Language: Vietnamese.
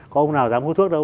có ông nào dám hút thuốc đâu